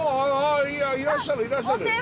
ああいらっしゃるいらっしゃる。